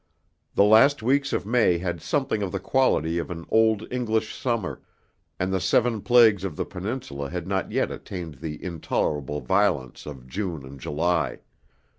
The last weeks of May had something of the quality of an old English summer, and the seven plagues of the Peninsula had not yet attained the intolerable violence of June and July.